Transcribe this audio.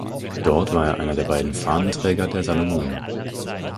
Dort war er einer der beiden Fahnenträger der Salomonen.